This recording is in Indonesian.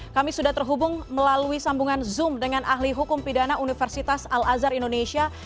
kami sudah terhubung melalui sambungan zoom dengan ahli hukum pidana universitas al azhar indonesia